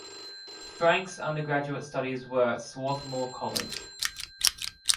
Frank's undergraduate studies were at Swarthmore College.